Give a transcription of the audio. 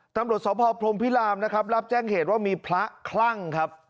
ตำรวจสพพรมพิรามนะครับรับแจ้งเหตุว่ามีพระคลั่งครับ